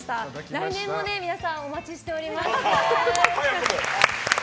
来年も皆さんお待ちしております。